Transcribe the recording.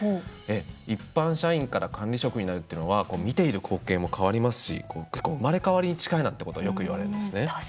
一般社員から管理職になるというのは見ている光景も変わりますし生まれ変わりに近いなということをよく言われますね。